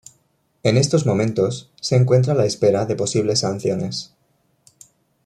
En estos momentos, se encuentra a la espera de posibles sanciones.